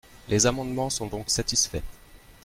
Les amendements sont donc satisfaits.